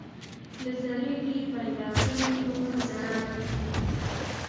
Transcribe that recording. له ذرې دې پیدا کړي نور ذرات دي